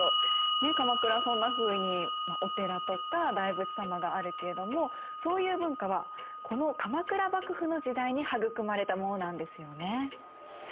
鎌倉はそんなふうにお寺とか大仏様があるけれどもそういう文化はこの鎌倉幕府の時代に育まれたものなんですよね。